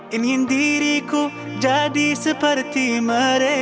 ya pondok pesantren